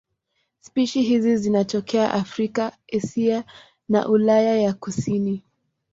Spishi hizi zinatokea Afrika, Asia na Ulaya ya kusini.